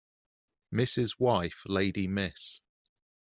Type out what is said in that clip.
Mrs. wife lady Miss